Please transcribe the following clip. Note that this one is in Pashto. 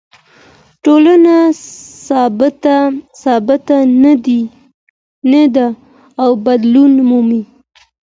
ټولنه ثابته نه ده او بدلون مومي.